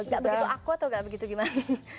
nggak begitu aku atau gak begitu gimana